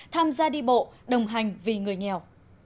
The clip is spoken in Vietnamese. tham gia đi bộ đồng hành vì người nghèo